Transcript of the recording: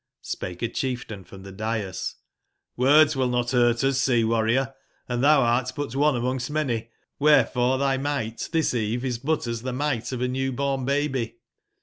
"jff Spake a cbief tain from tbe dais :'' (Hords will not burt us, sea/warrior ;& tbou art but one a mongst many; wberef ore tby migbt tbis eve is but as tbe migbt of a new/born baby.